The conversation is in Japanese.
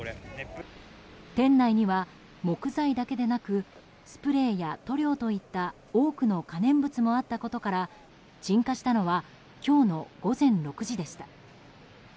店内には木材だけでなくスプレーや塗料といった多くの可燃物もあったことから鎮火したのは今日の午前６時でした。